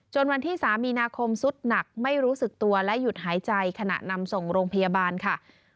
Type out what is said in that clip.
วันที่๓มีนาคมสุดหนักไม่รู้สึกตัวและหยุดหายใจขณะนำส่งโรงพยาบาลค่ะ